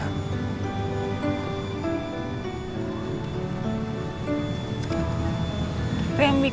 dan gue berusaha supaya lo happy sa